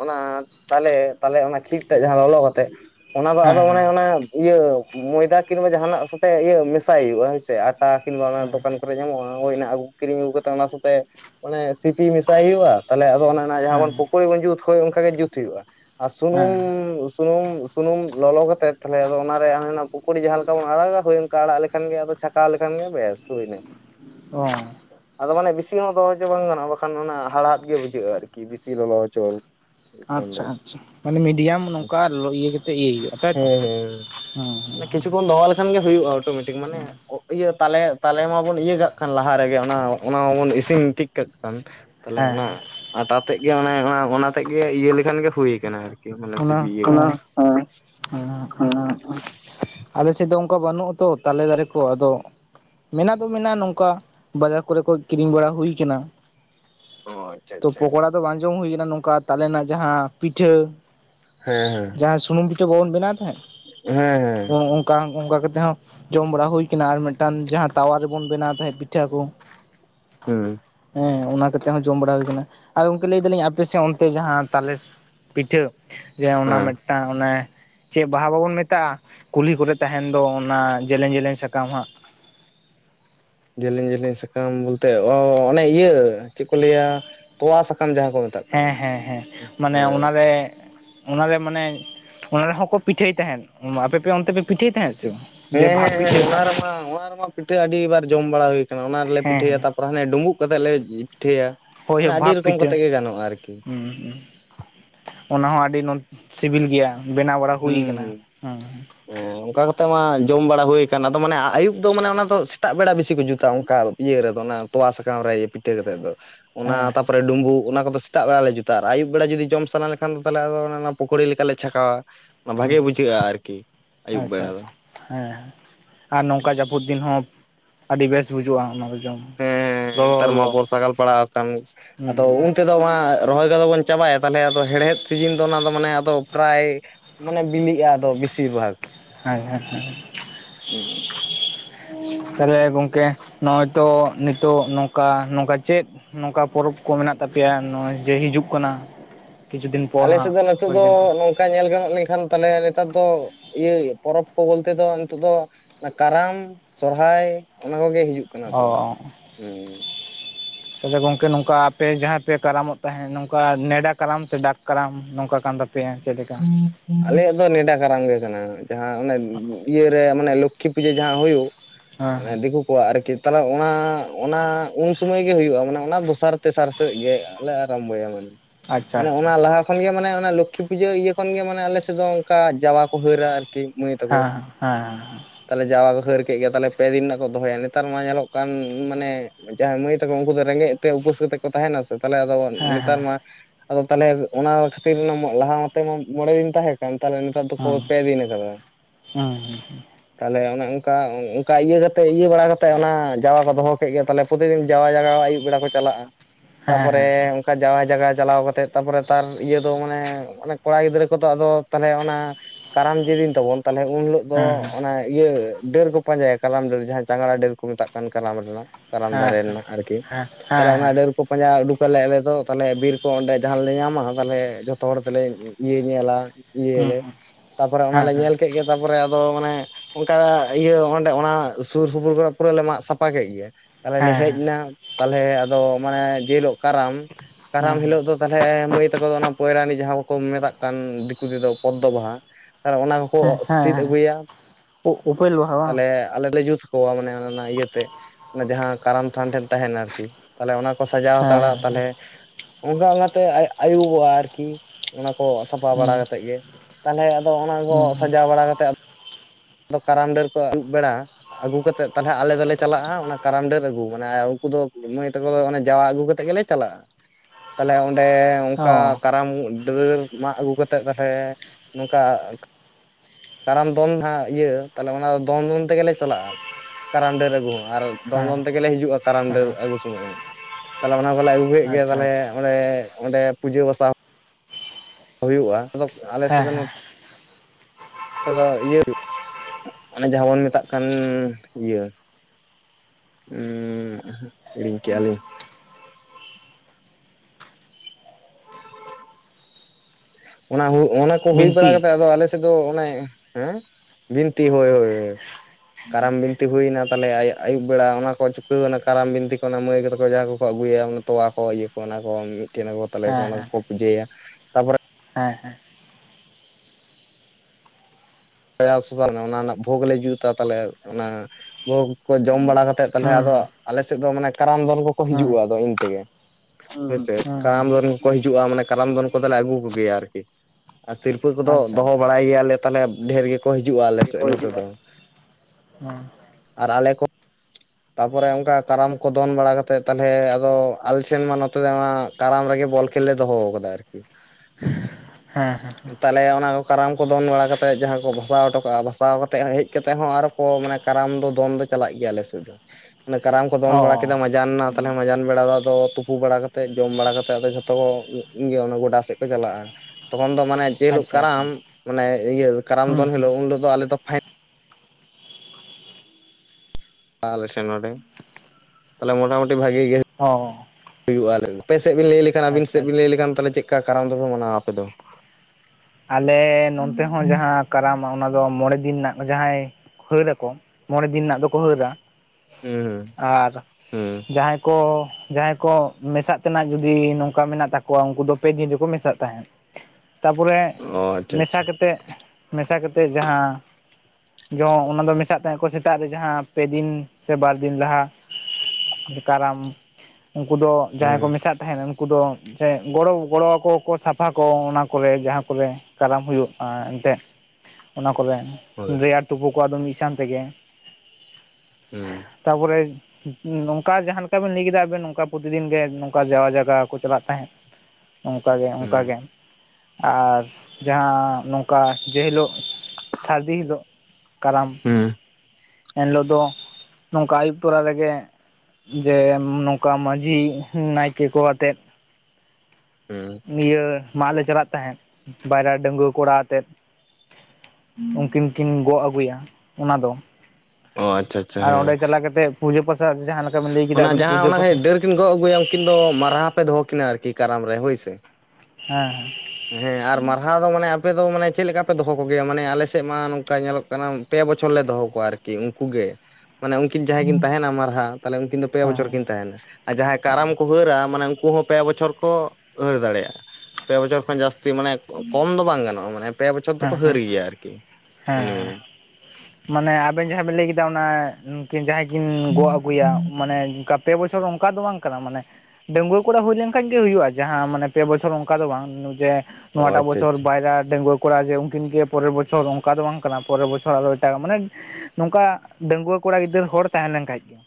ᱚᱱᱟ ᱛᱟᱞᱮ ᱛᱟᱞᱮ ᱚᱱᱟ ᱠᱷᱤᱨ ᱛᱮᱜ ᱡᱟᱦᱟᱸ ᱞᱚᱞᱚ ᱠᱟᱛᱮᱜ ᱚᱱᱟ ᱫᱚ ᱦᱮᱸ ᱟᱫᱚ ᱦᱮᱸ ᱢᱟᱱᱮ ᱚᱱᱟ ᱤᱭᱟᱹ ᱢᱚᱭᱫᱟ ᱠᱤᱱᱵᱟ ᱡᱟᱦᱟᱱᱟᱜ ᱥᱟᱛᱮᱜ ᱤᱭᱟᱹ ᱢᱮᱥᱟᱭ ᱦᱩᱭᱩᱜᱼᱟ ᱦᱳᱭᱥᱮ ᱟᱴᱟ ᱠᱤᱢᱵᱟ ᱚᱱᱟ ᱦᱮᱸ ᱫᱚᱠᱟᱱ ᱠᱚᱨᱮ ᱧᱟᱢᱚᱜᱼᱟ ᱦᱳᱭ ᱟᱹᱜᱩ ᱠᱤᱨᱤᱧ ᱟᱹᱜᱩ ᱠᱟᱛᱮᱜ ᱚᱱᱟ ᱥᱟᱛᱮ ᱢᱟᱱᱮ ᱥᱤ ᱛᱤ ᱢᱮᱥᱟᱭ ᱦᱩᱭᱩᱜᱼᱟ ᱛᱟᱦᱚᱞᱮ ᱟᱫᱚ ᱚᱱᱮ ᱚᱱᱟ ᱡᱟᱦᱟᱸ ᱵᱚᱱ ᱦᱮᱸ ᱯᱩᱠᱲᱤ ᱵᱚᱱ ᱡᱩᱛ ᱦᱳᱭ ᱚᱱᱠᱟᱜ ᱜᱮ ᱡᱩᱛ ᱦᱩᱭᱩᱜᱼᱟ ᱟᱨ ᱦᱮᱸ ᱥᱩᱱᱩᱢ ᱥᱩᱱᱩᱢ ᱥᱩᱱᱩᱢ ᱞᱚᱞᱚ ᱠᱟᱛᱮ ᱛᱟᱦᱚᱞᱮ ᱟᱫᱚ ᱚᱱᱟᱨᱮ ᱚᱱᱮ ᱚᱱᱟ ᱯᱚᱠᱳᱲᱤ ᱡᱟᱦᱟᱸ ᱞᱮᱠᱟ ᱵᱚᱱ ᱟᱲᱟᱜᱟ ᱦᱳᱭ ᱚᱱᱠᱟ ᱟᱲᱟᱜ ᱞᱮᱠᱷᱟᱱ ᱜᱮ ᱟᱫᱚ ᱪᱷᱟ ᱪᱷᱟᱠᱟᱣ ᱞᱮᱠᱷᱟᱱ ᱜᱮ ᱵᱮᱥ ᱦᱩᱭᱱᱟ ᱚ ᱟᱫᱚ ᱢᱟᱱᱮ ᱵᱮᱥᱤ ᱦᱚᱸ ᱫᱚᱦᱚ ᱚᱪᱚ ᱵᱟᱝ ᱜᱚᱜᱼᱟ ᱵᱟ ᱠᱷᱟᱱ ᱚᱱᱟ ᱦᱟᱲᱦᱟᱫ ᱜᱮ ᱵᱩᱡᱷᱟᱹᱜᱼᱟ ᱟᱨᱠᱤ ᱵᱤᱥᱤ ᱞᱚᱞᱚ ᱦᱚᱪᱚᱞ ᱟᱪᱪᱷᱟ ᱟᱪᱪᱷᱟ ᱢᱟᱱᱮ ᱢᱤᱰᱤᱭᱟᱢ ᱱᱚᱝᱠᱟ ᱤᱭᱟᱹ ᱠᱟᱛᱮ ᱤᱭᱟᱹᱭ ᱦᱩᱭᱩᱜᱼᱟ ᱛᱟᱭ ᱦᱮᱸ ᱦᱮᱸ ᱢᱟᱱᱮ ᱠᱤᱪᱷᱩ ᱠᱷᱟᱱ ᱜᱮ ᱦᱩᱭᱩᱜᱼᱟ ᱚᱴᱳᱢᱮᱴᱤᱠ ᱢᱟᱱᱮ ᱤᱭᱟᱹ ᱛᱟᱞᱮ ᱛᱟᱞᱮ ᱢᱟᱵᱚᱱ ᱤᱭᱟᱹ ᱠᱟᱜ ᱠᱟᱱ ᱞᱟᱦᱟ ᱨᱮᱜᱮ ᱚᱱᱟ ᱚᱱᱟ ᱢᱟᱵᱚᱱ ᱤᱥᱤᱱ ᱴᱷᱤᱠ ᱠᱟᱜ ᱠᱟᱱ ᱛᱟᱦᱚᱞᱮ ᱦᱮᱸ ᱚᱱᱟ ᱟᱴᱟ ᱛᱮᱫ ᱜᱮ ᱚᱱᱮ ᱚᱱᱟ ᱚᱱᱟ ᱛᱮᱫ ᱜᱮ ᱤᱭᱟᱹ ᱞᱮᱠᱷᱟᱱ ᱜᱮ ᱦᱩᱭᱩ ᱠᱟᱱᱟ ᱟᱨᱠᱤ ᱢᱟᱱᱮ ᱥᱮᱯ ᱚᱱᱟ ᱦᱮᱸ [unintelligible] ᱟᱞᱮᱥᱮᱫ ᱫᱚ ᱚᱱᱠᱟ ᱵᱟᱹᱱᱩᱜ ᱟᱛᱚ ᱛᱟᱞᱮ ᱫᱟᱨᱮ ᱠᱚ ᱟᱫᱚ ᱢᱮᱱᱟᱜ ᱫᱚ ᱢᱮ ᱱᱚᱝᱠᱟ ᱵᱟᱡᱟᱨ ᱠᱚᱨᱮ ᱠᱚ ᱠᱤᱨᱤᱧ ᱵᱟᱲᱟ ᱦᱩᱭ ᱠᱟᱱᱟ ᱚ ᱟᱪᱪᱷᱟ ᱛᱚ ᱟᱪᱪᱷᱟ ᱯᱚᱠᱚᱲᱟ ᱫᱚ ᱵᱟᱝ ᱡᱚᱢ ᱦᱩᱭ ᱠᱟᱱᱟ ᱱᱚᱝᱠᱟ ᱛᱟᱞᱮ ᱨᱮᱱᱟᱜ ᱡᱟᱦᱟᱸ ᱯᱤᱴᱷᱟᱹ ᱦᱮᱸ ᱦᱮᱸ ᱡᱟᱦᱟᱸ ᱥᱩᱱᱩᱢ ᱯᱤᱴᱷᱟᱹ ᱵᱟᱵᱚᱱ ᱵᱮᱱᱟᱣ ᱛᱟᱦᱮᱸᱫ ᱦᱮᱸ ᱦᱮᱸ ᱱᱚᱜᱼᱚ ᱚᱱᱠᱟ ᱚᱱᱠᱟ ᱠᱟᱛᱮ ᱦᱚᱸ ᱡᱚᱢ ᱵᱟᱲᱟ ᱦᱩᱭ ᱠᱟᱱᱟ ᱟᱨ ᱢᱤᱫᱴᱟᱱ ᱡᱟᱦᱟᱸ ᱛᱟᱣᱟ ᱨᱮᱵᱚᱱ ᱵᱮᱱᱟᱣ ᱛᱟᱦᱮᱸᱫ ᱯᱤᱴᱷᱟᱹ ᱠᱚ ᱦᱩᱸ ᱦᱮᱸ ᱚᱱᱟ ᱠᱟᱛᱮᱜ ᱦᱚᱸ ᱡᱚᱢ ᱵᱟᱲᱟ ᱦᱩᱭ ᱠᱟᱱᱟ ᱟᱨ ᱜᱚᱢᱠᱮ ᱞᱟᱹᱭ ᱫᱟᱞᱤᱧ ᱟᱯᱮᱥᱮᱫ ᱚᱱᱛᱮ ᱡᱟᱦᱟᱸ ᱛᱟᱞᱮ ᱯᱤᱴᱷᱟᱹ ᱡᱮ ᱚᱱᱟ ᱦᱮᱸ ᱢᱤᱫᱴᱟᱝ ᱚᱱᱮ ᱪᱮᱫ ᱵᱟᱦᱟ ᱵᱟᱵᱚᱱ ᱢᱮᱛᱟᱜᱼᱟ ᱠᱩᱞᱦᱤ ᱠᱚᱨᱮ ᱛᱟᱦᱮᱱ ᱫᱚ ᱚᱱᱟ ᱡᱮᱞᱮᱧ ᱡᱮᱞᱮᱧ ᱥᱟᱠᱟᱢ ᱦᱟᱸᱜ ᱡᱮᱞᱮᱧ ᱡᱮᱞᱮᱧ ᱥᱟᱠᱟᱢ ᱵᱚᱞᱛᱮ ᱚ ᱚᱱᱮ ᱤᱭᱟᱹ ᱪᱮᱫ ᱠᱚ ᱞᱟᱹᱭᱟ ᱛᱚᱣᱟ ᱥᱟᱠᱟᱢ ᱡᱟᱦᱟᱸ ᱠᱚ ᱢᱮᱛᱟᱜ ᱠᱟᱱ ᱦᱮᱸ ᱦᱮᱸ ᱦᱮᱸ ᱢᱟᱱᱮ ᱦᱮᱸ ᱚᱱᱟᱨᱮ ᱚᱱᱟᱨᱮ ᱢᱟᱱᱮ ᱚᱱᱟ ᱨᱮᱦᱚᱸ ᱠᱚ ᱯᱤᱴᱷᱟᱹᱭ ᱛᱟᱦᱮᱸᱫ ᱟᱯᱮ ᱯᱮ ᱚᱱᱛᱮ ᱯᱮ ᱯᱤᱴᱷᱟᱹᱭ ᱛᱟᱦᱮᱸᱫ ᱥᱮ? ᱡᱮ ᱦᱮᱸ ᱦᱮᱸ ᱵᱷᱟᱵᱽ ᱦᱮᱸ ᱯᱤᱴᱷᱟᱹ ᱚᱱᱟ ᱨᱮᱢᱟ ᱚᱱᱟ ᱨᱮᱢᱟ ᱯᱤᱴᱷᱟᱹ ᱟᱹᱰᱤᱵᱟᱨ ᱡᱚᱢ ᱵᱟᱲᱟ ᱦᱩᱭ ᱠᱟᱱᱟ ᱚᱱᱟ ᱨᱮᱞᱮ ᱦᱮᱸ ᱯᱤᱴᱷᱟᱹᱭᱟ ᱦᱮᱸ ᱛᱟᱯᱚ ᱯᱚᱨᱮ ᱦᱟᱱᱮ ᱰᱩᱢᱵᱩᱜ ᱠᱟᱛᱮᱫ ᱞᱮ ᱯᱤᱴᱷᱟᱹᱭᱟ ᱦᱳᱭ ᱢᱟᱱᱮ ᱟᱹᱰᱤ ᱵᱷᱟᱵᱽ ᱨᱚᱠᱚᱢ ᱠᱟᱛᱮ ᱯᱤᱴᱷᱟᱹ ᱜᱮ ᱜᱟᱱᱚᱜᱼᱟ ᱟᱨᱠᱤ᱾ [unintelligible] ᱚᱱᱟ ᱦᱚᱸ ᱟᱹᱰᱤ ᱥᱤᱵᱤᱞ ᱜᱮᱭᱟ ᱵᱮᱱᱟᱣ ᱵᱟᱲᱟ ᱦᱩᱭ ᱠᱟᱱᱟ ᱦᱩᱸ ᱦᱩᱸ᱾ ᱦᱮᱸ ᱚᱱᱠᱟ ᱠᱟᱛᱮ ᱢᱟ ᱡᱚᱢ ᱵᱟᱲᱟ ᱦᱩᱭᱩᱠᱟᱱ ᱟᱫᱚ ᱢᱟᱱᱮ ᱟᱹᱭᱩᱵ ᱫᱚ ᱢᱟᱱᱮ ᱚᱱᱟ ᱫᱚ ᱥᱮᱛᱟᱜ ᱵᱮᱲᱟ ᱵᱤᱥᱤ ᱠᱚ ᱡᱩᱛᱟ ᱚᱱᱠᱟ ᱤᱭᱟᱹ ᱨᱮᱫᱚ ᱚᱱᱟ ᱛᱚᱣᱟ ᱥᱟᱠᱟᱢ ᱨᱮ ᱯᱤᱴᱷᱟᱹ ᱠᱟᱛᱮ ᱫᱚ ᱚᱱᱟ ᱦᱮᱸ ᱛᱟᱯᱚᱨᱮ ᱰᱩᱸᱵᱩᱜ ᱚᱱᱟ ᱠᱚᱫᱚ ᱥᱮᱛᱟᱜ ᱵᱮᱲᱟ ᱞᱮ ᱡᱩᱛᱟ ᱟᱨ ᱟᱹᱭᱩᱵ ᱵᱮᱲᱟ ᱡᱩᱫᱤ ᱡᱚᱢ ᱥᱟᱱᱟ ᱞᱮᱠᱷᱟᱱ ᱫᱚ ᱛᱟᱦᱚᱞᱮ ᱟᱫᱚ ᱚᱱᱮ ᱚᱱᱟ ᱯᱚᱠᱳᱲᱤ ᱞᱮᱠᱟᱞᱮ ᱪᱷᱟᱠᱟᱣᱟ᱾ ᱚᱱᱟ ᱵᱷᱟᱜᱮ ᱦᱩᱸ ᱵᱩᱡᱷᱟᱹᱜᱼᱟ ᱟᱨᱠᱤ ᱟᱹᱭᱩᱵ ᱟᱪᱪᱷᱟ ᱵᱮᱲᱟ ᱫᱚ᱾ ᱟᱪᱪᱷᱟ ᱦᱮᱸ ᱟᱨ ᱱᱚᱝᱠᱟ ᱡᱟᱹᱯᱩᱫ ᱫᱤᱱ ᱦᱚᱸ ᱟᱹᱰᱤ ᱵᱮᱥ ᱵᱩᱡᱩᱜᱼᱟ ᱚᱱᱟ ᱫᱚ ᱡᱚᱢ᱾ ᱦᱮᱸ ᱞᱚᱞᱚ ᱱᱮᱛᱟᱨ ᱢᱟ ᱞᱚᱞᱚ ᱵᱚᱨᱥᱟ ᱠᱟᱞ ᱯᱟᱲᱟᱣ ᱟᱠᱟᱱ ᱟᱫᱚ ᱦᱩᱸ ᱩᱱᱛᱮ ᱫᱚ ᱨᱚᱦᱚᱭ ᱠᱚᱫᱚ ᱵᱚᱱ ᱪᱟᱵᱟᱭᱟ ᱛᱟᱦᱚᱞᱮ ᱟᱫᱚ ᱦᱮᱲᱦᱮᱫ ᱥᱤᱡᱤᱱ ᱫᱚ ᱚᱱᱟ ᱫᱚ ᱢᱟᱱᱮ ᱟᱫᱚ ᱯᱨᱟᱭ ᱢᱟᱱᱮ ᱵᱤᱞᱤᱜ-ᱟ ᱟᱫᱚ ᱵᱮᱥᱤᱨ ᱵᱷᱟᱜᱽ᱾ [unintelligible] ᱛᱟᱦᱞᱮ ᱜᱚᱝᱠᱮ ᱱᱚᱜᱼᱚᱭ ᱛᱚ ᱱᱤᱛᱳᱜ ᱱᱚᱝᱠᱟ ᱱᱚᱝᱠᱟ ᱪᱮᱫ ᱱᱚᱝᱠᱟ ᱯᱚᱨᱚᱵᱽ ᱠᱚ ᱢᱮᱱᱟᱜ ᱛᱟᱯᱮᱭᱟ ᱱᱚᱜᱼᱚᱭ ᱡᱮ ᱦᱤᱡᱩᱜ ᱠᱟᱱᱟ, ᱠᱤᱪᱷᱩ ᱫᱤᱱ ᱯᱚᱨ ᱟᱞᱮ ᱦᱟᱸᱜ ᱥᱮᱫ ᱫᱚ ᱱᱤᱛᱚᱜ ᱦᱩᱭ ᱫᱚ, ᱠᱟᱱ ᱛᱟᱦᱮᱸ᱾ ᱱᱚᱝ ᱠᱟ ᱧᱮᱞ ᱜᱟᱱᱚᱜ ᱞᱮᱱᱠᱷᱟᱱ ᱛᱟᱦᱚᱞᱮ ᱱᱮᱛᱟᱨ ᱫᱚ ᱤᱭᱟᱹ ᱯᱚᱨᱚᱵᱽ ᱠᱚ ᱵᱚᱞᱛᱮ ᱫᱚ ᱱᱤᱛᱚᱜ ᱫᱚ, ᱠᱟᱨᱟᱢ, ᱥᱚᱨᱦᱟᱭ ᱚᱱᱟ ᱠᱚᱜᱮ ᱦᱤᱡᱩᱜ ᱠᱟᱱᱟ ᱛᱚ ᱦᱮᱸ᱾ ᱛᱚᱵᱮ ᱜᱚᱢᱠᱮ ᱱᱚᱝᱠᱟ ᱟᱯᱮ ᱡᱟᱦᱟᱸᱭ ᱯᱮ ᱠᱟᱨᱟᱢᱚᱜ ᱛᱟᱦᱮᱸᱫ ᱱᱚᱝᱠᱟ ᱱᱮᱰᱟ ᱠᱟᱨᱟᱢ ᱥᱮ ᱰᱟᱠ ᱠᱟᱨᱟᱢ ᱱᱚᱝᱠᱟ ᱠᱟᱱ ᱯᱮᱭᱟ ᱪᱮᱫ [unintelligible] ᱟᱞᱮᱭᱟᱜ ᱫᱚ ᱱᱮᱰᱟ ᱠᱟᱨᱟᱢ ᱜᱮ ᱠᱟᱱᱟ ᱡᱟᱦᱟᱸ ᱚᱱᱮ ᱤᱭᱟᱹᱨᱮ ᱢᱟᱱᱮ ᱞᱚᱠᱠᱷᱤ ᱯᱩᱡᱟᱹ ᱡᱟᱦᱟᱸ ᱦᱳᱭᱳᱜ, ᱦᱮᱸ ᱚᱱᱮ ᱦᱮᱸ ᱫᱮᱠᱳ ᱠᱚᱣᱟᱜ ᱟᱨᱠᱤ, ᱛᱟᱦᱚᱞᱮ ᱚᱱᱟ ᱚᱱᱟ ᱩᱱ ᱥᱚᱢᱚᱭ ᱜᱮ ᱦᱩᱭᱩᱜᱼᱟ, ᱢᱟᱱᱮ ᱚᱱᱟ ᱫᱚᱥᱟᱨ ᱛᱮᱥᱟᱨ ᱥᱮᱫ ᱜᱮᱞᱮ ᱟᱨᱟᱢᱵᱚᱭᱟ ᱢᱟᱱᱮ᱾ ᱟᱪᱪᱷᱟ ᱢᱟᱱᱮ ᱟᱪᱪᱷᱟ ᱚᱱᱟ ᱞᱟᱦᱟ ᱠᱷᱚᱱᱜᱮ ᱢᱟᱱᱮ ᱚᱱᱟ ᱞᱚᱠᱠᱷᱤ ᱯᱩᱡᱟᱹ ᱤᱭᱟᱹ ᱠᱷᱚᱱᱜᱮ ᱢᱟᱱᱮ ᱟᱞᱮ ᱥᱮᱫ ᱫᱚ ᱚᱱᱠᱟ ᱡᱟᱣᱟ ᱠᱚ ᱦᱟᱹᱨᱟ ᱟᱨᱠᱤ᱾ ᱦᱮᱸ ᱦᱮᱸ ᱦᱮᱸ ᱛᱟᱦᱞᱮ ᱡᱟᱣᱟ ᱠᱚ ᱦᱟᱹᱨ ᱠᱮᱫ ᱜᱮ ᱛᱟᱞᱮ ᱯᱮ ᱫᱤᱱ ᱨᱮᱱᱟᱜ ᱠᱚ ᱫᱚᱦᱚᱭᱟ ᱱᱮᱛᱟᱨ ᱢᱟ ᱧᱮᱞᱚᱜ ᱠᱟᱱ ᱢᱟᱱᱮ, ᱡᱟᱦᱟᱸᱭ ᱢᱟᱹᱭ ᱛᱟᱠᱚ ᱩᱱᱠᱩ ᱫᱚ ᱨᱮᱸᱜᱮᱡ ᱛᱮ ᱩᱯᱟᱹᱥ ᱠᱟᱛᱮ ᱠᱚ ᱛᱟᱦᱮᱱᱟ ᱥᱮ ᱛᱟᱦᱞᱮ ᱟᱫᱚ ᱦᱮᱸ ᱱᱮᱛᱟᱨ ᱢᱟ ᱟᱫᱚ ᱛᱟᱦᱚᱞᱮ ᱚᱱᱟ ᱠᱷᱟᱹᱛᱤᱨ ᱚᱱᱟ ᱞᱟᱦᱟ ᱛᱮᱢᱟ ᱢᱚᱬᱮ ᱫᱤᱱ ᱛᱟᱦᱮᱸ ᱠᱟᱱ᱾ ᱛᱟᱦᱞᱮ ᱱᱮᱛᱟᱨ ᱫᱚᱠᱚ ᱦᱮᱸ ᱦᱮᱸ ᱯᱮ ᱫᱤᱱ ᱠᱟᱫᱟ᱾ ᱦᱮᱸ ᱦᱮᱸ ᱛᱟᱦᱚᱞᱮ ᱚᱱᱮ ᱚᱱᱠᱟ ᱚᱱᱠᱟ ᱤᱭᱟᱹ ᱠᱟᱛᱮ ᱤᱭᱟᱹ ᱵᱟᱲᱟ ᱠᱟᱛᱮ ᱚᱱᱟ ᱡᱟᱣᱟ ᱠᱚ ᱫᱚᱦᱚ ᱠᱮᱫ ᱜᱮ ᱛᱟᱦᱞᱮ᱾ ᱯᱚᱛᱮ ᱫᱤᱱ ᱡᱟᱣᱟ ᱡᱟᱜᱟᱭ ᱟᱹᱭᱩᱵ ᱵᱮᱲᱟ ᱠᱚ ᱪᱟᱞᱟᱜᱼᱟ᱾ ᱦᱮᱸ ᱦᱮᱸ ᱦᱮᱸ ᱦᱮᱸ ᱦᱮᱸ ᱦᱮᱸ ᱦᱮᱸ ᱦᱮᱸ ᱦᱮᱸ ᱦᱮᱸ ᱦᱮᱸ ᱛᱟᱯᱚᱨᱮ ᱚᱱᱠᱟ ᱡᱟᱣᱟ ᱡᱟᱜᱟ ᱪᱟᱞᱟᱣ ᱠᱟᱛᱮ ᱛᱟᱯᱚᱨᱮ ᱛᱟᱨ ᱤᱭᱟᱹ ᱫᱚ ᱢᱟᱱᱮ ᱠᱚᱲᱟ ᱜᱤᱫᱽᱨᱟᱹ ᱠᱚᱫᱚ ᱟᱫᱚ ᱛᱟᱦᱞᱮ ᱚᱱᱟ ᱠᱟᱨᱟᱢ ᱡᱮ ᱫᱤᱱ ᱛᱟᱵᱚᱱ ᱛᱟᱦᱞᱮ ᱩᱱ ᱦᱤᱞᱳᱜ ᱫᱚ ᱚᱱᱟ, ᱤᱭᱟᱹ ᱰᱟᱹᱨ ᱠᱚ ᱯᱟᱸᱡᱟᱭᱟ ᱠᱟᱨᱟᱢ ᱰᱟᱹᱨ ᱡᱟᱦᱟᱸ ᱪᱟᱸᱜᱲᱟ ᱰᱟᱹᱨ ᱠᱚ ᱢᱮᱛᱟᱜ ᱠᱟᱱ ᱠᱟᱨᱟᱢ ᱨᱮᱱᱟᱜ᱾ ᱠᱟᱨᱟᱢ ᱫᱟᱨᱮ ᱨᱮᱱᱟᱜ ᱟᱨᱠᱤ ᱛᱟᱦᱞᱮ ᱚᱱᱟ ᱰᱟᱹᱨ ᱠᱚ ᱯᱟᱸᱡᱟ ᱩᱰᱩᱠᱟᱞᱮ ᱟᱞᱮ ᱫᱚ ᱛᱟᱦᱞᱮ ᱵᱤᱨ ᱠᱚ ᱚᱸᱰᱮ ᱡᱟᱦᱟᱸ ᱞᱮ ᱧᱟᱢᱟ ᱛᱟᱦᱞᱮ ᱡᱷᱚᱛᱚ ᱦᱚᱲ ᱛᱮᱞᱮ, ᱤᱭᱟᱹ ᱧᱮᱞᱟ ᱤᱭᱟᱹᱞᱮ ᱛᱟᱯᱚᱨᱮ ᱚᱱᱟᱞᱮ ᱧᱮᱞ ᱠᱮᱫ ᱜᱮ ᱛᱟᱯᱚᱨᱮ ᱟᱫᱚ ᱢᱟᱱᱮ ᱚᱱᱠᱟ ᱤᱭᱟᱹ ᱚᱸᱰᱮ ᱚᱱᱟ ᱥᱩᱨ ᱥᱩᱯᱩᱨ ᱠᱚᱨᱮᱜ ᱯᱩᱨᱟᱹ ᱞᱮ ᱢᱟᱜ ᱥᱟᱯᱟ ᱠᱮᱜ ᱜᱮ᱾ ᱛᱟᱦᱞᱮ ᱞᱮ ᱦᱮᱡ ᱱᱟ ᱛᱟᱦᱞᱮ ᱟᱫᱚ ᱢᱟᱱᱮ ᱡᱮ ᱦᱤᱞᱳᱜ ᱠᱟᱨᱟᱢ, ᱦᱮᱸ ᱠᱟᱨᱟᱢ ᱦᱤᱞᱳᱜ ᱦᱮᱸ ᱫᱚ ᱛᱟᱦᱞᱮ ᱢᱟᱹᱭ ᱛᱟᱠᱚ ᱫᱚ ᱚᱱᱟ ᱯᱚᱭᱨᱟᱱᱤ ᱡᱟᱦᱟᱸ ᱠᱚᱠᱚ ᱢᱮᱛᱟᱜ ᱠᱟᱱ ᱫᱤᱠᱩ ᱛᱮᱫᱚ ᱯᱚᱫᱽᱫᱚ ᱵᱟᱦᱟ ᱛᱟᱦᱞᱮ ᱚᱱᱟ ᱠᱚ ᱥᱤᱫ ᱦᱮᱸ ᱦᱮᱸ ᱟᱹᱜᱩᱭᱟ ᱩᱯᱮᱞ ᱵᱟᱦᱟ ᱵᱟᱝ ᱛᱟᱦᱞᱮ ᱟᱞᱮ ᱞᱮ ᱡᱩᱛ ᱟᱠᱚᱣᱟ ᱢᱟᱱᱮ ᱚᱱᱟ ᱚᱱᱟ ᱤᱭᱟᱹᱛᱮ ᱚᱱᱟ ᱡᱟᱦᱟᱸ ᱠᱟᱨᱟᱢ ᱛᱷᱟᱱ ᱴᱷᱮᱱ ᱛᱟᱦᱮᱱᱟ ᱟᱨᱠᱤ᱾ ᱛᱟᱦᱚᱞᱮ ᱚᱱᱟ ᱠᱚ ᱥᱟᱡᱟᱣ ᱦᱮᱸ ᱦᱟᱛᱟᱲᱟ ᱦᱮᱸ ᱛᱟᱦᱞᱮ, ᱚᱱᱠᱟ ᱚᱱᱠᱟᱛᱮ ᱟᱹᱭᱩᱵᱚᱜᱼᱟ ᱟᱨᱠᱤ᱾ ᱚᱱᱟ ᱠᱚ ᱥᱟᱯᱟ ᱦᱮᱸ ᱵᱟᱲᱟ ᱠᱟᱛᱮᱜ ᱜᱮ, ᱛᱟᱦᱞᱮ ᱟᱫᱚ ᱚᱱᱟ ᱦᱮᱸ ᱠᱚ ᱦᱮᱸ ᱥᱟᱡᱟᱣ ᱵᱟᱲᱟ ᱠᱟᱛᱮ ᱫᱚ ᱠᱟᱨᱟᱢ ᱰᱟᱹᱨ ᱠᱚ [inaudible] ᱵᱮᱲᱟ ᱟᱹᱜᱩ ᱠᱟᱛᱮᱫ ᱛᱟᱦᱚᱞᱮ ᱟᱞᱮ ᱫᱚᱞᱮ ᱪᱟᱞᱟᱜᱼᱟ ᱚᱱᱟ ᱠᱟᱨᱟᱢ ᱰᱟᱹᱨ ᱟᱹᱜᱩ ᱢᱟᱱᱮ ᱟᱨ ᱩᱱᱠᱩ ᱫᱚ ᱢᱟᱹᱭ ᱛᱟᱠᱚ ᱫᱚ ᱚᱱᱮ ᱡᱟᱣᱟ ᱟᱹᱜᱩ ᱠᱟᱛᱮᱫ ᱜᱮᱞᱮ ᱪᱟᱞᱟᱜᱼᱟ ᱛᱟᱦᱚᱞᱮ ᱚᱸᱰᱮ ᱱᱚᱝᱠᱟ ᱚ ᱠᱟᱨᱟᱢ ᱰᱟᱹᱨ ᱢᱟᱜ ᱟᱹᱜᱩ ᱠᱟᱛᱮᱫ ᱛᱟᱦᱚᱞᱮ ᱱᱚᱝᱠᱟ ᱠᱟᱨᱟᱢ ᱫᱚᱱ ᱱᱟᱜ ᱤᱭᱟᱹ ᱛᱟᱦᱚᱞᱮ ᱚᱱᱟ ᱫᱚᱱ ᱫᱚᱱ ᱛᱮᱜᱮᱞᱮ ᱪᱟᱞᱟᱜᱼᱟ ᱠᱟᱨᱟᱢ ᱰᱟᱹᱨ ᱟᱹᱜᱩ ᱦᱚᱸ ᱟᱨ ᱫᱚᱱ ᱦᱮᱸ ᱫᱚᱢ ᱛᱮᱜᱮ ᱦᱤᱡᱩᱜᱼᱟ ᱠᱟᱨᱟᱢ ᱰᱟᱹᱨ ᱦᱮᱸ ᱟᱹᱜᱩ ᱥᱩᱢᱟᱹᱡ ᱦᱚᱸ ᱛᱟᱦᱞᱮ ᱚᱱᱟ ᱠᱚᱞᱮ ᱟᱹᱜᱩ ᱠᱮᱫ ᱜᱮ ᱟᱪᱪᱷᱟ ᱛᱟᱦᱚᱞᱮ ᱟᱪᱪᱷᱟ ᱚᱸᱰᱮ ᱚᱸᱰᱮ ᱯᱩᱡᱟᱹ ᱵᱟᱥᱟ ᱦᱳᱭᱳᱜᱼᱟ ᱟᱫᱚ ᱟᱞᱮ ᱦᱮᱸ ᱥᱮᱫ ᱦᱮᱸ ᱫᱚ [inaudible] ᱤᱭᱟᱹ [inaudible] ᱚᱱᱮ ᱡᱟᱦᱟᱸ ᱵᱚᱱ ᱢᱮᱛᱟᱜ ᱠᱟᱱ ᱤᱭᱟᱹ ᱩᱸ ᱦᱤᱲᱤᱧ ᱠᱮᱜᱟ ᱞᱤᱧ ᱚᱱᱟ ᱚᱱᱟ ᱠᱚ ᱦᱩᱭ ᱵᱤᱱᱛᱤ ᱵᱟᱲᱟ ᱠᱟᱛᱮ ᱟᱫᱚ ᱟᱞᱮ ᱥᱮᱫ ᱫᱚ ᱚᱱᱮ ᱦᱮᱸ ᱵᱤᱱᱛᱤ ᱦᱳᱭ ᱦᱳᱭ ᱦᱳᱭ ᱠᱟᱨᱟᱢ ᱵᱤᱱᱛᱤ ᱦᱩᱭᱱᱟ ᱛᱟᱦᱞᱮ ᱟᱭᱩᱵ ᱵᱮᱲᱟ ᱚᱱᱟ ᱠᱚ ᱪᱩᱠᱟᱹᱣᱱᱟ ᱠᱟᱨᱟᱢ ᱵᱤᱱᱛᱤ ᱠᱚ ᱢᱟᱹᱭ ᱠᱚ ᱡᱟᱦᱟᱸ ᱠᱚ ᱟᱹᱜᱩᱭᱟ ᱛᱚᱣᱟ ᱠᱚ ᱤᱭᱟᱹ ᱠᱚ ᱚᱱᱟ ᱠᱚ ᱢᱤᱫᱴᱮᱱ ᱟᱠᱚ ᱛᱟᱞᱮ ᱦᱮᱸ ᱠᱷᱟᱱ ᱚᱱᱟ ᱦᱮᱸ ᱠᱚᱠᱚ ᱯᱩᱡᱟᱹᱭᱟ᱾ ᱛᱟᱯᱚᱨᱮ ᱦᱮᱸ ᱦᱮᱸ [inaudible] ᱚᱱᱟ ᱨᱮᱱᱟᱜ ᱵᱷᱳᱜᱽ ᱞᱮ ᱡᱩᱛᱟ ᱛᱟᱦᱚᱞᱮ ᱚᱱᱟ ᱵᱷᱳᱜᱽ ᱠᱚ ᱡᱚᱢ ᱵᱟᱲᱟ ᱠᱟᱛᱮᱫ ᱛᱟᱦᱚᱞᱮ ᱦᱩᱸ ᱟᱫᱚ ᱦᱩᱸ ᱟᱞᱮ ᱥᱮᱫ ᱫᱚ ᱢᱟᱱᱮ ᱠᱟᱨᱟᱢ ᱫᱚᱱ ᱠᱚᱠᱚ ᱦᱩᱸ ᱦᱤᱡᱩᱜᱼᱟ ᱟᱫᱚ ᱤᱱ ᱛᱮᱜᱮ ᱦᱮᱸᱥᱮ ᱦᱩᱸ ᱦᱩᱸ ᱠᱟᱨᱟᱢ ᱫᱚᱱ ᱠᱚᱠᱚ ᱦᱤᱡᱩᱜᱼᱟ ᱢᱟᱱᱮ ᱠᱟᱨᱟᱢ ᱫᱚᱱ ᱠᱚᱫᱚᱞᱮ ᱟᱹᱜᱩ ᱠᱚᱜᱮᱭᱟ ᱟᱨᱠᱤ ᱟᱨ ᱥᱤᱨᱯ ᱯᱟ ᱠᱚᱫᱚ ᱟᱪᱪᱷᱟ ᱫᱚᱦᱚ ᱟᱪᱪᱷᱟ ᱵᱟᱲᱟᱭ ᱜᱮᱭᱟᱞᱮ ᱛᱟᱦᱚᱞᱮ ᱰᱷᱮᱨ ᱜᱮᱠᱚ ᱦᱤᱡᱩᱜᱼᱟ ᱟᱞᱮ ᱥᱮᱫ ᱱᱚᱛᱮ ᱫᱚ ᱦᱩᱸ ᱟᱨ ᱟᱞᱮ ᱠᱚ ᱛᱟᱯᱚᱨᱮ ᱚᱱᱠᱟ ᱠᱟᱨᱟᱢ ᱠᱚ ᱫᱚᱱ ᱵᱟᱲᱟ ᱠᱟᱛᱮᱫ ᱛᱟᱦᱚᱞᱮ ᱟᱫᱚ ᱟᱞᱮ ᱴᱷᱮᱱ ᱢᱟ ᱱᱚᱛᱮ ᱫᱚ ᱢᱟ ᱠᱟᱨᱟᱢ ᱨᱮᱜᱮ ᱵᱚᱞ ᱠᱷᱮᱞ ᱞᱮ ᱫᱚᱦᱚ ᱟᱠᱟᱫᱟ ᱟᱨᱠᱤ ᱦᱮᱸ ᱦᱮᱸ ᱛᱟᱦᱚᱞᱮ ᱚᱱᱟ ᱠᱟᱨᱟᱢ ᱠᱚ ᱫᱚᱱ ᱵᱟᱲᱟ ᱠᱟᱛᱮ ᱡᱟᱦᱟᱸ ᱠᱚ ᱵᱷᱟᱥᱟᱣ ᱦᱚᱴᱚ ᱠᱟᱜᱼᱟ ᱵᱷᱟᱥᱟᱣ ᱠᱟᱛᱮᱫ ᱦᱮᱡ ᱠᱟᱛᱮᱫ ᱦᱚᱸ ᱟᱨᱚ ᱠᱚ ᱢᱟᱱᱮ ᱠᱟᱨᱟᱢ ᱫᱚ ᱫᱚᱱ ᱫᱚ ᱪᱟᱞᱟᱜ ᱜᱮᱭᱟ ᱟᱞᱮ ᱥᱮᱫ ᱫᱚ ᱮ ᱠᱟᱨᱟᱢ ᱠᱚ ᱫᱚᱱ ᱚ ᱵᱟᱲᱟ ᱠᱮᱫᱟ ᱢᱟᱡᱟᱱ ᱛᱟᱦᱚᱞᱮ ᱢᱟᱸᱡᱟᱱ ᱵᱮᱲᱟ ᱫᱚ ᱟᱫᱚ ᱛᱩᱯᱩ ᱵᱟᱲᱟ ᱠᱟᱛᱮ ᱡᱚᱢ ᱵᱟᱲᱟ ᱠᱟᱛᱮ ᱡᱚᱛᱚ ᱤᱭᱟᱹ ᱚᱱᱟ ᱜᱚᱰᱟ ᱥᱮᱫ ᱠᱚ ᱪᱟᱞᱟᱜᱼᱟ ᱛᱚᱠᱷᱚᱱ ᱫᱚ ᱢᱟᱱᱮ ᱡᱮ ᱦᱤᱞᱳᱜ ᱟᱪᱪᱷᱟ ᱟᱪᱪᱷᱟ ᱠᱟᱨᱟᱢ ᱢᱟᱱᱮ ᱤᱭᱟᱹ ᱠᱟᱨᱟᱢ ᱦᱩᱸ ᱫᱚᱱ ᱦᱩᱸ ᱦᱤᱞᱳᱜ ᱩᱱ ᱦᱤᱞᱳ ᱫᱚ ᱟᱞᱮ ᱫᱚ ᱟᱞᱮ ᱴᱷᱮᱱ ᱱᱚᱰᱮ ᱛᱟᱦᱚᱞᱮ ᱢᱳᱚᱴᱟᱢᱩᱴᱤ ᱵᱷᱟᱜᱤ ᱜᱮ ᱦᱚᱸ ᱦᱩᱭᱩᱜᱼᱟ ᱟᱯᱮ ᱥᱮᱫ ᱵᱤᱱ ᱞᱟᱹᱭ ᱞᱮᱠᱷᱟᱱ ᱟᱹᱵᱤᱱ ᱥᱮᱫ ᱵᱤᱱ ᱟᱪᱪᱷᱟ ᱞᱟᱹᱭ ᱞᱮᱠᱷᱟᱱ ᱛᱟᱦᱚᱞᱮ ᱪᱮᱫ ᱞᱮᱠᱟ ᱠᱟᱨᱟᱢ ᱫᱚᱯᱮ ᱢᱟᱱᱟᱣᱟ ᱟᱯᱮ ᱫᱚ ᱟᱞᱮ ᱱᱚᱱᱛᱮ ᱦᱚᱸ ᱡᱟᱦᱟᱸ ᱠᱟᱨᱟᱢᱟ ᱚᱱᱟ ᱫᱚ ᱢᱚᱬᱮ ᱫᱤᱱ ᱨᱮᱱᱟᱜ ᱡᱟᱦᱟᱸᱭ ᱦᱟᱹᱨ ᱟᱠᱚ ᱢᱚᱬᱮ ᱫᱤᱱ ᱨᱮᱱᱟᱜ ᱫᱚᱠᱚ ᱦᱟᱹᱨᱟ ᱦᱮᱸ ᱦᱩᱸ ᱟᱨ ᱦᱩᱸ ᱡᱟᱦᱟᱸᱭ ᱠᱚ ᱡᱟᱦᱟᱸᱭ ᱠᱚ ᱢᱮᱥᱟᱜ ᱛᱮᱱᱟᱜ ᱡᱩᱚᱫᱤ ᱱᱚᱝᱠᱟ ᱢᱮᱱᱟᱜ ᱛᱟᱠᱚᱣᱟ ᱩᱱᱠᱩ ᱫᱚ ᱯᱮ ᱫᱤᱱ ᱨᱮᱠᱚ ᱢᱮᱥᱟᱜ ᱛᱟᱦᱮᱸᱫ ᱛᱟᱨᱯᱚᱨᱮ ᱚ ᱟᱪᱪᱷᱟ ᱢᱮᱥᱟ ᱟᱪᱪᱷᱟ ᱠᱟᱛᱮᱫ ᱢᱮᱥᱟ ᱠᱟᱛᱮᱫ ᱡᱟᱦᱟᱸ ᱡᱮ ᱚᱱᱟ ᱫᱚ ᱢᱮᱥᱟᱜ ᱛᱟᱦᱮᱸ ᱠᱚ ᱥᱮᱛᱟᱜ ᱨᱮ ᱡᱟᱦᱟᱸ ᱯᱮ ᱫᱤᱱ ᱥᱮ ᱵᱟᱨ ᱫᱤᱱ ᱞᱟᱦᱟ ᱠᱟᱨᱟᱢ ᱩᱱᱠᱩ ᱫᱚ ᱡᱟᱦᱟᱸᱭ ᱦᱩᱸ ᱠᱚ ᱢᱮᱥᱟᱜ ᱛᱟᱦᱮᱱ ᱩᱱᱠᱩ ᱫᱚ ᱥᱮ ᱜᱚᱲᱚ ᱜᱚᱲᱚ ᱟᱠᱚ ᱣᱟᱠᱚ ᱥᱟᱯᱷᱟ ᱠᱚ ᱚᱱᱟ ᱠᱚᱨᱮ ᱡᱟᱦᱟᱸ ᱠᱚᱨᱮ ᱠᱟᱨᱟᱢ ᱦᱩᱭᱩᱜᱼᱟ ᱮᱱᱛᱮᱫ ᱚᱱᱟ ᱠᱚᱨᱮ ᱦᱳᱭ ᱨᱮ ᱛᱩᱯᱩ ᱠᱚ ᱟᱫᱚ ᱢᱤᱫ ᱥᱟᱶ ᱛᱮᱜᱮ ᱦᱩᱸ ᱛᱟᱯᱚᱨᱮ ᱱᱚᱝᱠᱟ ᱡᱟᱦᱟᱸ ᱞᱮᱠᱟ ᱵᱮᱱ ᱞᱟᱹᱭ ᱠᱮᱫᱟ ᱟᱵᱮᱱ ᱱᱚᱝᱠᱟ ᱯᱨᱚᱛᱤᱫᱤᱱ ᱜᱮ ᱱᱚᱝᱠᱟ ᱡᱟᱣᱟ ᱡᱟᱭᱜᱟ ᱠᱚ ᱪᱟᱞᱟᱜ ᱛᱟᱦᱮᱸᱫ ᱚᱱᱠᱟ ᱜᱮ ᱚᱱᱠᱟ ᱦᱩᱸ ᱜᱮ ᱟᱨ ᱡᱟᱦᱟᱸ ᱱᱚᱝᱠᱟ ᱡᱮ ᱦᱤᱞᱳᱜ ᱥᱟᱹᱨᱫᱤ ᱦᱤᱞᱳᱜ ᱠᱟᱨᱟᱢ ᱦᱩᱸ ᱮᱱᱦᱤᱞᱳᱜ ᱫᱚ ᱱᱚᱝᱠᱟ ᱟᱹᱭᱩᱵ ᱛᱚᱨᱟ ᱨᱮᱜᱮ ᱡᱮ ᱱᱚᱝᱠᱟ ᱢᱟᱺᱡᱷᱤ ᱱᱟᱭᱠᱮ ᱠᱚ ᱟᱛᱮᱫ ᱦᱩᱸ ᱤᱭᱟᱹ ᱢᱟᱜ ᱞᱮ ᱪᱟᱞᱟᱜ ᱛᱟᱦᱮᱸᱫ ᱵᱟᱭᱨᱟ ᱰᱟᱺᱜᱭᱟ. ᱠᱚᱲᱟ ᱟᱛᱮ ᱩᱱᱠᱤᱱ ᱠᱤᱱ ᱜᱚᱜ ᱟᱹᱜᱩᱭᱟ ᱚᱱᱟ ᱫᱚ ᱚ ᱟᱪᱪᱷᱟ ᱟᱪᱪᱷᱟ ᱟᱨ ᱦᱮᱸ ᱚᱸᱰᱮ ᱪᱟᱞᱟᱣ ᱠᱟᱛᱮᱫ ᱯᱩᱡᱟᱹ ᱯᱟᱥᱟ ᱡᱟᱦᱟᱸ ᱞᱮᱠᱟ ᱵᱤᱱ ᱞᱟᱹᱭ ᱠᱮᱫᱟ ᱟᱵᱤᱱ ᱯᱩᱡᱟᱹ ᱯᱟᱥᱟ ᱩᱱ ᱠᱤᱱ ᱜᱚᱜ ᱟᱹᱜᱩᱭᱟ ᱩᱱᱠᱤᱱ ᱫᱚ ᱢᱟᱨᱟ ᱯᱮ ᱫᱚᱦᱚ ᱠᱤᱱᱟ ᱟᱨᱠᱤ ᱠᱟᱨᱟᱢ ᱨᱮ ᱦᱳᱭᱥᱮ ᱦᱮᱸ ᱦᱮᱸ ᱦᱮᱸ ᱟᱨ ᱢᱟᱨᱟᱦᱟ ᱢᱟᱱᱮ ᱟᱯᱮᱚ ᱢᱟᱱᱮ ᱪᱮᱫ ᱞᱮᱠᱟ ᱯᱮ ᱫᱚᱦᱚ ᱠᱚᱜᱮᱭᱟ ᱢᱟᱱᱮ ᱟᱞᱮᱥᱮᱫ ᱢᱟ ᱱᱚᱝᱠᱟ ᱧᱮᱞᱚᱜ ᱠᱟᱱᱟ ᱯᱮ ᱵᱚᱪᱷᱚᱨᱞ ᱞᱮ ᱫᱚᱦᱚ ᱠᱚᱣᱟ ᱟᱨᱠᱤ ᱠᱤ ᱩᱱᱠᱩᱜ ᱜᱮ ᱢᱟᱱᱮ ᱩᱱᱠᱤᱱ ᱡᱟᱦᱟᱸᱭ ᱠᱤᱱ ᱛᱟᱦᱮᱱᱟ ᱢᱟᱨᱦᱟ ᱛᱟᱦᱚᱞᱮ ᱩᱱᱠᱤᱱ ᱫᱚ ᱯᱮᱭᱟ ᱦᱮᱸ ᱵᱚᱪᱷᱚᱨ ᱦᱮᱸ ᱠᱤᱱ ᱛᱟᱦᱮᱱᱟ ᱟᱨ ᱡᱟᱦᱟᱸᱭ ᱠᱟᱨᱟᱢ ᱠᱚ ᱦᱟᱹᱨᱟ ᱢᱟᱱᱮ ᱩᱱᱠᱩ ᱦᱚᱸ ᱯᱮ ᱵᱚᱪᱷᱚᱨ ᱠᱚ ᱦᱟᱹᱨ ᱫᱟᱲᱮᱭᱟᱜᱼᱟ ᱯᱮ ᱵᱚᱪᱷᱚᱨ ᱠᱷᱚᱱ ᱡᱟᱹᱥᱛᱤ ᱢᱟᱱᱮ ᱠᱚᱢ ᱫᱚ ᱵᱟᱝ ᱜᱟᱱᱚᱜᱼᱟ ᱢᱟᱱᱮ ᱯᱮ ᱵᱚᱪᱷᱚᱨ ᱫᱚᱠᱚ ᱦᱮᱸ ᱦᱟᱹᱨ ᱦᱮᱸ ᱜᱮᱭᱟ ᱟᱨᱠᱤ ᱦᱮᱸ ᱢᱤᱱᱤᱢᱟᱢ ᱢᱟᱱᱮ ᱟᱵᱮᱱ ᱡᱟᱦᱟᱸ ᱵᱤᱱ ᱞᱟᱹᱭ ᱠᱮᱫᱟ ᱚᱱᱟ ᱱᱩᱠᱤᱱ ᱡᱟᱦᱟᱸᱭ ᱜᱚᱜ ᱟᱹᱜᱩᱭᱟ ᱢᱟᱱᱮ ᱚᱱᱠᱟ ᱯᱮ ᱵᱚᱪᱷᱚᱨ ᱚᱱᱠᱟ ᱫᱚ ᱵᱟᱝ ᱠᱟᱱᱟ ᱢᱟᱱᱮ ᱰᱟᱺᱜᱩᱭᱟᱹ ᱠᱚᱲᱟ ᱦᱩᱭ ᱞᱮᱱᱠᱷᱟᱱ ᱜᱮ ᱦᱩᱭᱩᱜᱜᱼᱟ ᱡᱟᱦᱟᱸ ᱢᱟᱱᱮ ᱯᱮ ᱵᱚᱪᱷᱚᱨ ᱚᱱᱠᱟ ᱫᱚ ᱵᱟᱝ ᱡᱮ ᱚ ᱱᱚᱶᱟ ᱴᱟᱜ ᱟᱪᱪᱷᱟ ᱵᱚᱪᱷᱚᱨ ᱟᱪᱪᱷᱟ ᱵᱟᱭᱨᱟ ᱰᱟᱺᱜᱩᱣᱟ ᱠᱚᱲᱟ ᱡᱮ ᱩᱱᱠᱤᱱ ᱜᱮ ᱯᱚᱨᱮ ᱵᱚᱪᱷᱚᱨ ᱚᱱᱠᱟ ᱫᱚ ᱵᱟᱝ ᱠᱟᱱᱟ ᱯᱚᱨᱮᱨ ᱵᱚᱪᱷᱚᱨ ᱟᱨ ᱮᱴᱟᱜ ᱢᱟᱱᱮ ᱱᱚᱝᱠᱟ ᱰᱟᱺᱜᱩᱣᱟᱹ ᱠᱚᱲᱟ ᱜᱤᱫᱟᱹᱨ ᱦᱚᱲ ᱛᱟᱦᱮᱸ ᱞᱮᱱ ᱠᱷᱟᱡ ᱜᱮ᱾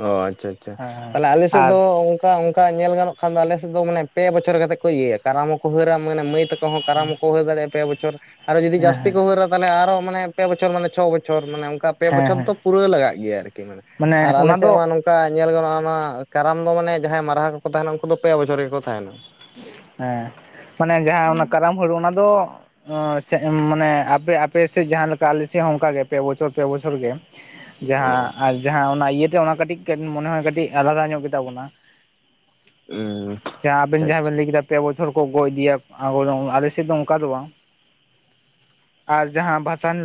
ᱚ ᱟᱪᱪᱷᱟ ᱟᱪᱪᱷᱟ ᱦᱮᱸ ᱦᱮᱸ ᱛᱟᱦᱚᱞᱮ ᱟᱞᱮ ᱥᱮᱫ ᱫᱚ ᱟᱨ ᱚᱱᱠᱟ ᱚᱱᱠᱟ ᱧᱮᱞ ᱜᱟᱱᱚᱜ ᱠᱷᱟᱱ ᱟᱞᱮᱥᱮᱫ ᱫᱚ ᱢᱟᱱᱮ ᱯᱮ ᱵᱚᱪᱷᱚᱨ ᱠᱟᱛᱮ ᱠᱚ ᱤᱭᱟᱹᱭᱟ ᱠᱟᱨᱟᱢ ᱦᱚᱸᱠᱚ ᱦᱟᱹᱨᱟ ᱢᱟᱱᱮ ᱢᱟᱹᱭ ᱛᱟᱠᱚ ᱚᱸ ᱠᱟᱨᱟᱢ ᱠᱚᱠᱚ ᱦᱩᱭ ᱫᱟᱲᱮᱭᱟᱜᱼᱟ ᱯᱮ ᱵᱚᱪᱷᱚᱨ ᱟᱨ ᱡᱩᱫᱤ ᱦᱮᱸ ᱡᱟᱹᱥᱛᱤ ᱦᱮᱸ ᱠᱚ ᱦᱟᱹᱨᱟ ᱛᱟᱦᱚᱞᱮ ᱟᱨᱚ ᱢᱟᱱᱮ ᱯᱮ ᱵᱚᱪᱷᱚᱨ ᱢᱟᱱᱮ ᱪᱷᱚ ᱵᱚᱪᱷᱚᱨ ᱢᱟᱱᱮ ᱚᱱᱠᱟ ᱯᱮ ᱦᱮᱸ ᱵᱚᱪᱷᱚᱨ ᱦᱮᱸ ᱫᱚ ᱯᱩᱨᱟᱹ ᱞᱟᱜᱟᱜ ᱜᱮᱭᱟ ᱟᱨᱠᱤ ᱢᱟᱱᱮ᱾ ᱢᱟᱱᱮ ᱟᱨ ᱚᱱᱟ ᱟᱞᱮ ᱫᱚ ᱥᱮᱫ ᱢᱟ ᱱᱚᱝᱠᱟ ᱧᱮᱞ ᱜᱟᱱᱚᱜᱼᱟ ᱚᱱᱟ ᱠᱟᱨᱟᱢ ᱫᱚ ᱢᱟᱱᱮ ᱡᱟᱦᱟᱸᱭ ᱢᱟᱨᱟ ᱠᱚᱠᱚ ᱛᱟᱦᱮᱱᱟ ᱩᱱᱠᱩ ᱫᱚ ᱯᱮ ᱵᱚᱪᱷᱚᱨ ᱜᱮᱠᱚ ᱛᱟᱦᱮᱱᱟ ᱦᱮᱸ ᱢᱟᱱᱮ ᱡᱟᱦᱟᱸ ᱚᱱᱟ ᱠᱟᱨᱟᱢ ᱦᱩᱲᱩ ᱚᱱᱟ ᱫᱚ ᱢᱟᱱᱮ ᱟᱯᱮ ᱟᱯᱮ ᱥᱮᱫ ᱡᱟᱦᱟᱸ ᱞᱮᱠᱟ ᱟᱞᱮᱥᱮᱫ ᱦᱚᱸ ᱚᱱᱠᱟᱜᱮ ᱯᱮ ᱵᱚᱪᱷᱚᱨ ᱯᱮ ᱵᱚᱪᱷᱚᱨ ᱜᱮ᱾ ᱚ ᱡᱟᱦᱟᱸ ᱟᱨ ᱡᱟᱦᱟᱸ ᱚᱱᱟ ᱤᱭᱟᱹᱛᱮ ᱚᱱᱟ ᱠᱟᱹᱴᱤᱡ ᱢᱚᱱᱮ ᱦᱚ ᱠᱟᱹᱴᱤᱡ ᱟᱞᱟᱫᱟ ᱧᱚᱜ ᱜᱮᱛᱟᱵᱚᱱᱟ᱾ ᱩ ᱡᱟᱦᱟᱸ ᱟᱵᱮᱱ ᱡᱟᱦᱟᱸ ᱵᱮᱱ ᱞᱟᱹᱭ ᱠᱮᱫᱟ ᱯᱮ ᱵᱚᱪᱷᱚᱨ ᱠᱚ ᱜᱚᱜ ᱤᱫᱤᱭᱟ ᱟ ᱟᱞᱮ ᱥᱮᱫ ᱫᱚ ᱚᱱᱠᱟ ᱫᱚ ᱵᱟᱝ᱾ ᱟᱨ ᱡᱟᱦᱟᱸ ᱵᱷᱟᱥᱟᱱ